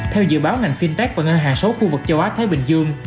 theo dự báo ngành fintech và ngân hàng số khu vực châu á thái bình dương